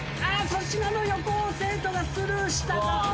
粗品の横を生徒がスルーしたが。